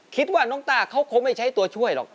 คิดว่าน้องต้าเขาคงไม่ใช้ตัวช่วยหรอก